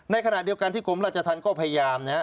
ในขณะเดียวกันที่กรมราชธรรมก็พยายามนะฮะ